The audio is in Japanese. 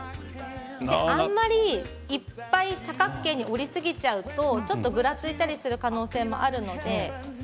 あんまりいっぱい多角形に折りすぎてしまうとぐらついたりする可能性もあるので。